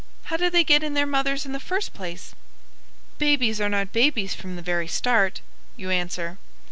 How do they get in their mothers in the first place?" "Babies are not babies from the very start," you answer.